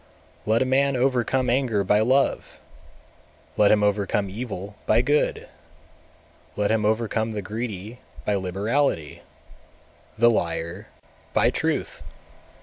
223. Let a man overcome anger by love, let him overcome evil by good; let him overcome the greedy by liberality, the liar by truth!